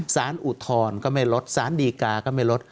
ศาลอุทธรก็ไม่ลดศาลดีกาก็ไม่ลด